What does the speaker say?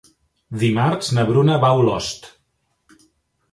Dimarts na Bruna va a Olost.